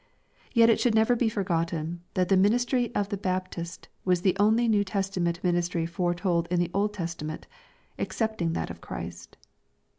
Yet it should never be forgotten, that the ministry of the Baptist was the only New Testament ministry foretold in the Old Tes tament, excepting that of Christ.